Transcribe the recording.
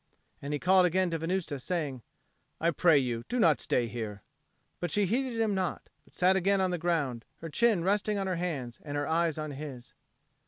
And he called again to Venusta, saying, "I pray you, do not stay here." But she heeded him not, but sat again on the ground, her chin resting on her hands and her eyes on his.